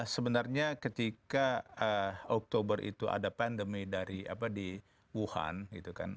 sebenarnya ketika oktober itu ada pandemi di wuhan gitu kan